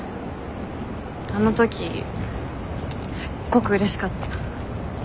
あの時すっごくうれしかった。